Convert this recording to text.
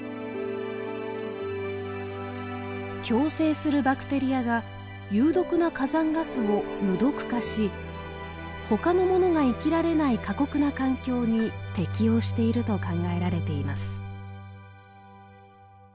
共生するバクテリアが有毒な火山ガスを無毒化し他のものが生きられない過酷な環境に適応していると考えられています。